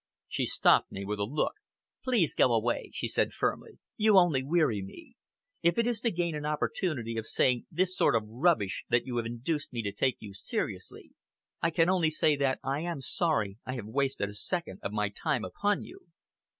She stopped me with a look. "Please go away," she said firmly. "You only weary me! If it is to gain an opportunity of saying this sort of rubbish that you have induced me to take you seriously, I can only say that I am sorry I have wasted a second of my time upon you!"